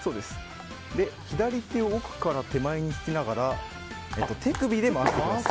左手を奥から手前に引きながら手首で回します。